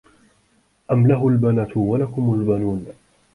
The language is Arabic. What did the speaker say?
أَم لَهُ البَناتُ وَلَكُمُ البَنونَ